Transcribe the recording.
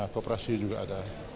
koperasi juga ada